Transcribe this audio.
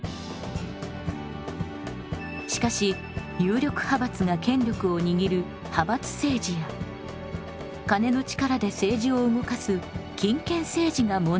しかし有力派閥が権力を握る派閥政治や金の力で政治を動かす金権政治が問題になります。